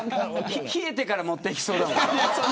冷えてから持ってきそう。